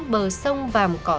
bờ sông vàng cỏ